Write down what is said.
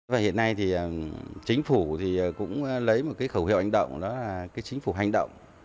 và hiện nay thì chính phủ thì cũng lấy một cái khẩu hiệu hành động đó là cái chính phủ hành động